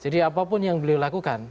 jadi apapun yang beliau lakukan